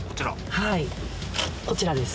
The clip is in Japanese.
はいこちらです。